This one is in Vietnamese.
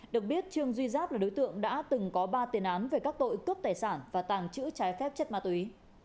được biết trương duy giáp là đối tượng đã từng có ba tiền án về các tội cướp tài sản và tàng trữ trái phép chất ma túy